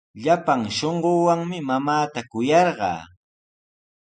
Llapan shunquuwanmi mamaata kuyarqaa.